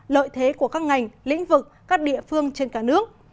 lợi thế của các ngành lĩnh vực các địa phương trên cả nước